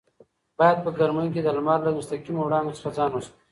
باید په ګرمۍ کې د لمر له مستقیمو وړانګو څخه ځان وساتو.